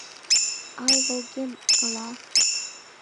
АЛ ВЫЛГЕН АЛА...